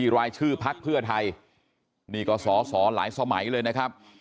รักเพื่อไทยนี่ก็สอหลายสมัยเลยนะครับ